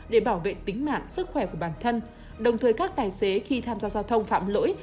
để bảo vệ tính mạng sức khỏe của bản thân đồng thời các tài xế khi tham gia giao thông phạm lỗi